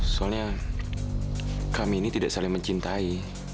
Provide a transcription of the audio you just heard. soalnya kami ini tidak saling mencintai